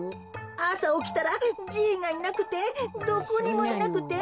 あさおきたらじいがいなくてどこにもいなくて。